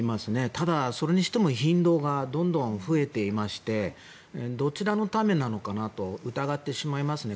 ただ、それにしても頻度がどんどん増えていましてどちらのためなのかなと疑ってしまいますね。